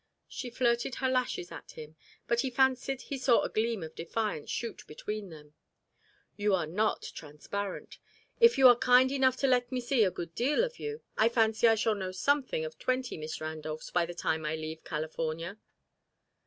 She flirted her lashes at him, but he fancied he saw a gleam of defiance shoot between them. "You are not transparent. If you are kind enough to let me see a good deal of you, I fancy I shall know something of twenty Miss Randolphs by the time I leave California."